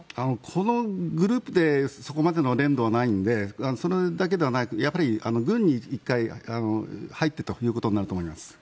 このグループでそこまでの練度はないのでそれだけではない軍に１回、入ってということになると思います。